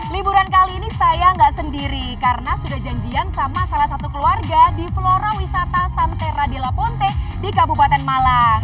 liburan kali ini saya nggak sendiri karena sudah janjian sama salah satu keluarga di flora wisata santera dilaponte di kabupaten malang